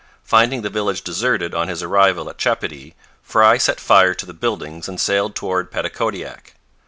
Finding the village deserted on his arrival at Chepody, Frye set fire to the buildings and sailed toward Petitcodiac.